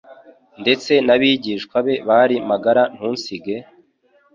Ndetse n'abigishwa be bari magara ntunsige,